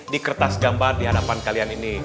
di kertas gambar di hadapan kalian ini